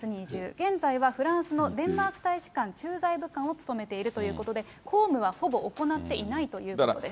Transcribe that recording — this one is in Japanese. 現在はフランスのデンマーク大使館駐在武官を務めているということで、公務はほぼ行っていないということです。